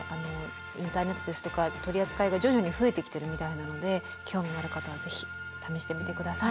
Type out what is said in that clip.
インターネットですとか取り扱いが徐々に増えてきてるみたいなので興味のある方はぜひ試してみて下さい。